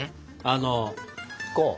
あのこう。